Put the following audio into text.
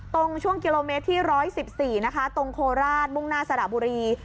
ตรงช่วงกิโลเมตรที่๑๑๔นะคะตรงโคราชมุ่งหน้าสระบุรี